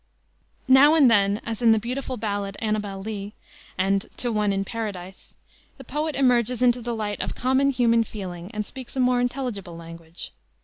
Now and then, as in the beautiful ballad, Annabel Lee, and To One in Paradise, the poet emerges into the light of common human feeling and speaks a more intelligible language.